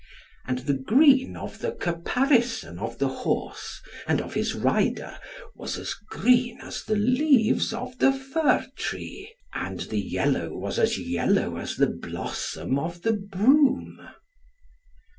And the green of the caparison of the horse, and of his rider, was as green as the leaves of the fir tree, and the yellow was as yellow as the blossom of the broom.